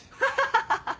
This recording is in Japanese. ハハハハ！